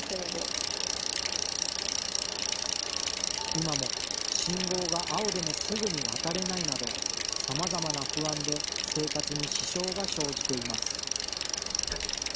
今も、信号が青でもすぐに渡れないなど、さまざまな不安で生活に支障が生じています。